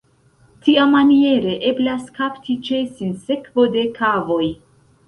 Tiamaniere eblas kapti ĉe sinsekvo de kavoj.